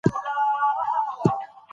علامه حبيبي د ځوان نسل روزنه مهمه بلله.